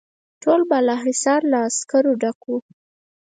ټول بالاحصار له عسکرو ډک وو.